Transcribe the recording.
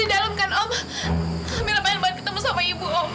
amira pengen banget ketemu sama ibu om